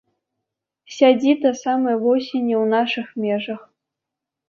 Сядзі да самай восені ў нашых межах.